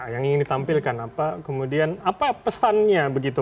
yang ingin ditampilkan apa kemudian apa pesannya begitu